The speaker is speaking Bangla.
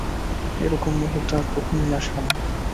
এরকম মুহুর্ত আর কখনোই আসবে নাহ।